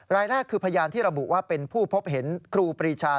รายแรกคือพยานที่ระบุว่าเป็นผู้พบเห็นครูปรีชา